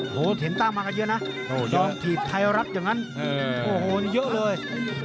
โอ้โหเห็นตั้งมากันเยอะนะโอ้โหเยอะจอมถีบไทยรัฐอย่างนั้นโอ้โหเยอะเลย